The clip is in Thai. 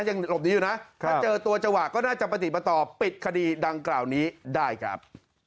ยังหลบหนีอยู่นะถ้าเจอตัวจังหวะก็น่าจะปฏิปต่อปิดคดีดังกล่าวนี้ได้ครับ